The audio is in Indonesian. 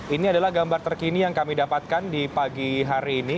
ini adalah gambar terkini yang kami dapatkan di pagi hari ini